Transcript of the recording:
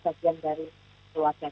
bagian dari keluarga kita